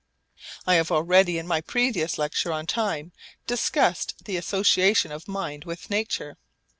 I have already in my previous lecture on Time discussed the association of mind with nature.